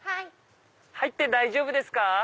入って大丈夫ですか？